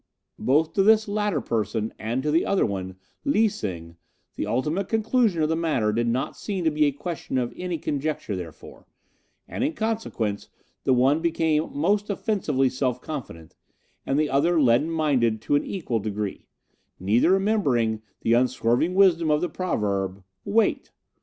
Both to this latter person, and to the other one, Lee Sing, the ultimate conclusion of the matter did not seem to be a question of any conjecture therefore, and, in consequence, the one became most offensively self confident, and the other leaden minded to an equal degree, neither remembering the unswerving wisdom of the proverb, 'Wait!